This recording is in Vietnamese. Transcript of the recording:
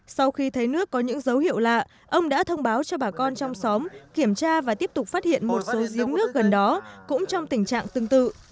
sau khi thấy nước có những dấu hiệu lạ ông đã thông báo cho bà con trong xóm kiểm tra và tiếp tục phát hiện một số giếng nước gần đó cũng trong tình trạng tương tự